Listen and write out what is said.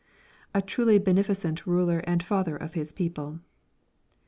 _" A truly beneficent ruler and father of his people!